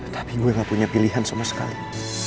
tapi gue gak punya pilihan sama sekali